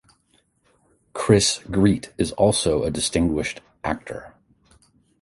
Chris Greet is also a distinguished actor.